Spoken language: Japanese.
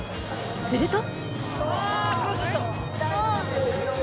すると